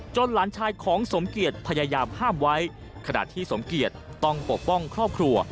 หลานชายของสมเกียจพยายามห้ามไว้ขณะที่สมเกียจต้องปกป้องครอบครัว